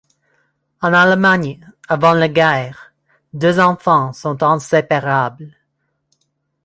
En Allemagne, avant la guerre, deux enfants sont inséparables.